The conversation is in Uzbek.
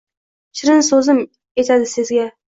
Shirinsuzim etadi sizga